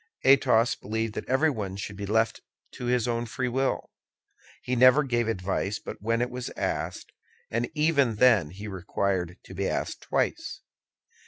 Athos believed that everyone should be left to his own free will. He never gave advice but when it was asked, and even then he required to be asked twice.